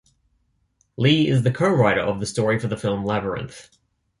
Lee is co-writer of the story for the film "Labyrinth".